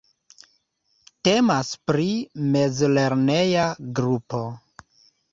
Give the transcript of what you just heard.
Temas pri mezlerneja grupo.